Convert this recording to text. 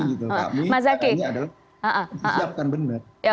kami adalah penyiapkan benar